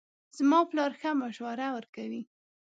زما پلار ښه مشوره ورکوي